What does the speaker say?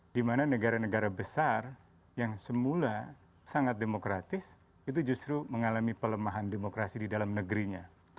dimana negara negara besar yang semula sangat demokratis itu justru mengalami pelemahan demokrasi di dalam negerinya